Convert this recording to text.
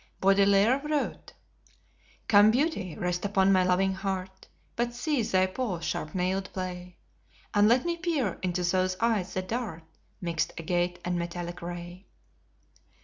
Baudelaire wrote: "Come, beauty, rest upon my loving heart, But cease thy paws' sharp nailed play, And let me peer into those eyes that dart Mixed agate and metallic ray."